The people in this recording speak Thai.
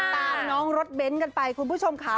ตามน้องรถเบ้นกันไปคุณผู้ชมค่ะ